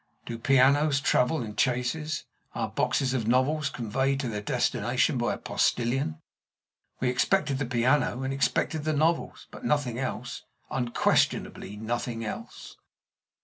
Do pianos travel in chaises? Are boxes of novels conveyed to their destination by a postilion? We expected the piano and expected the novels, but nothing else unquestionably nothing else.